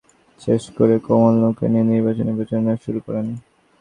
গতকাল শুক্রবার জুমার নামাজ শেষ করে কমল নৌকা নিয়ে নির্বাচনী প্রচারণা শুরু করেন।